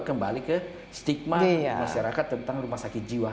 kembali ke stigma masyarakat tentang rumah sakit jiwa